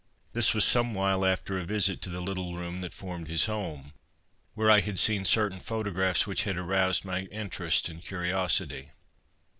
This was some while after a visit to the little room that formed his home, where I had seen certain photographs which had aroused my interest and curiosity.